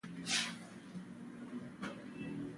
ایا ستاسو نظر به وا نه وریدل شي؟